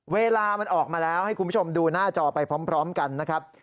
เวลามันออกมาแล้วให้คุณผู้ชมดูหน้าจอไปพร้อมกันนะครับ